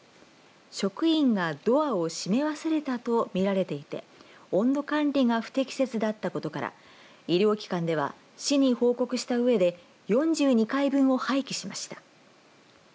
職員がドアを閉め忘れたとみられていて温度管理が不適切だったことから医療機関では市に報告したうえで４２回分を廃棄しました。